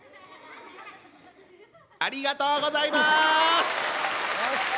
ありがとうございます！